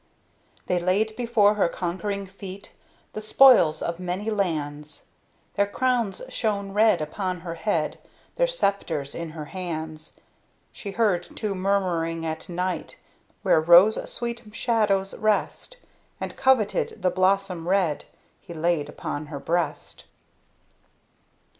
They laid before her conquering feet The spoils of many lands; Their crowns shone red upon her head Their scepters in her hands. She heard two murmuring at night, Where rose sweet shadows rest; And coveted the blossom red He laid upon her breast.